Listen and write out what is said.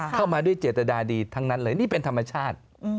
เข้ามาด้วยเจตนาดีทั้งนั้นเลยนี่เป็นธรรมชาติ